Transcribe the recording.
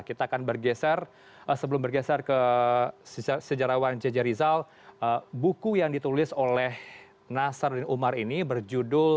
kita akan bergeser sebelum bergeser ke sejarawan jj rizal buku yang ditulis oleh nasaruddin umar ini berjudul